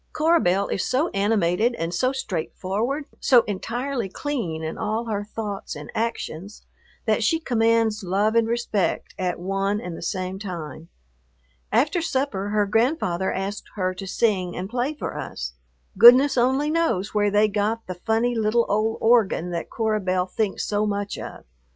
Cora Belle is so animated and so straightforward, so entirely clean in all her thoughts and actions, that she commands love and respect at one and the same time. After supper her grandfather asked her to sing and play for us. Goodness only knows where they got the funny little old organ that Cora Belle thinks so much of.